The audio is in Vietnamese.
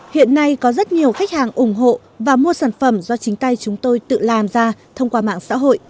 hiện nay có rất nhiều khách hàng ủng hộ và mua sản phẩm do chính tay chúng tôi tự làm ra thông qua mạng xã hội